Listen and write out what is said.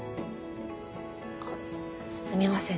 あっすみません